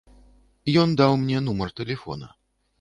Ён даў мне нумар тэлефона.